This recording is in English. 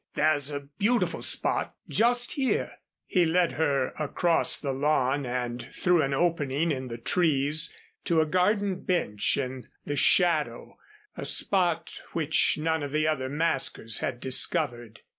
"There's a beautiful spot just here." He led her across the lawn and through an opening in the trees to a garden bench in the shadow, a spot which none of the other maskers had discovered.